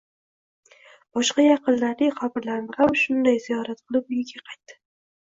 Boshqa yaqinlarining qabrlarini ham shunday ziyorat qilib, uyga qaytdi.